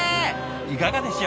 いかがでしょう？